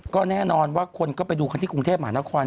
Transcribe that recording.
ก็แน่นอนว่าคนไปดูในกรุงเทพหมานคร